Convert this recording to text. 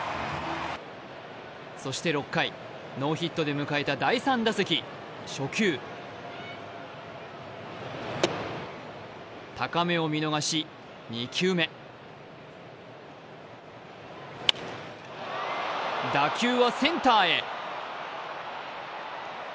そして６回、ノーヒットで迎えた第３打席初球高めを見逃し、２球目打球はセンターへ。